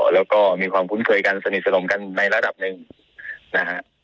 แล้วก็มีความคุ้นเคยกันสนิทสนมกันในระดับหนึ่งนะฮะ